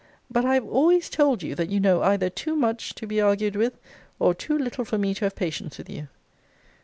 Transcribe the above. But I have always told you, that you know either too much to be argued with, or too little for me to have patience with you.